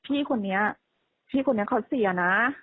พี่คนนี้เขาเสียนะ